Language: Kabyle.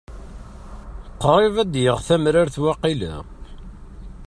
Qrib ad d-yaɣ tamrart waqila.